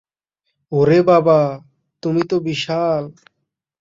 ওরে বাবা, তুমি তো বিশাল।